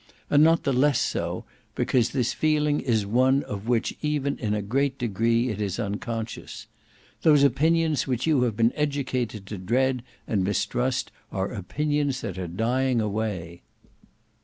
And not the less so, because this feeling is one of which even in a great degree it is unconscious. Those opinions which you have been educated to dread and mistrust are opinions that are dying away.